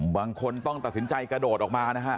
บางคนต้องตัดสินใจกระโดดออกมานะฮะ